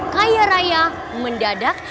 kaya raya mendadak